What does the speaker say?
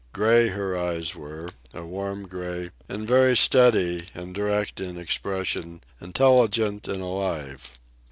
Gray her eyes were, a warm gray, and very steady and direct in expression, intelligent and alive.